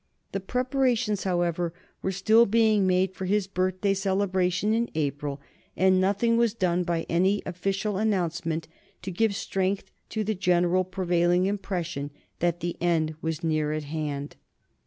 Preparations, however, were still being made for his birthday celebration in April, and nothing was done by any official announcement to give strength to the general prevailing impression that the end was near at hand.